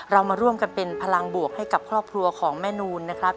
เรามาร่วมกันเป็นพลังบวกให้กับครอบครัวของแม่นูนนะครับ